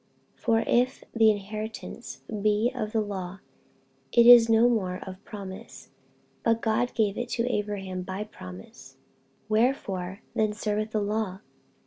48:003:018 For if the inheritance be of the law, it is no more of promise: but God gave it to Abraham by promise. 48:003:019 Wherefore then serveth the law?